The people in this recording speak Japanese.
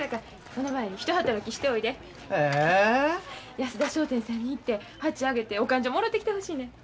安田商店さんに行って鉢上げてお勘定もろてきてほしいねん。